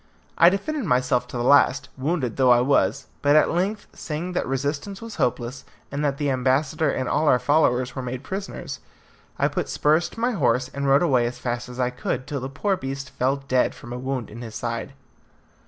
I defended myself to the last, wounded though I was, but at length, seeing that resistance was hopeless, and that the ambassador and all our followers were made prisoners, I put spurs to my horse and rode away as fast as I could, till the poor beast fell dead from a wound in his side.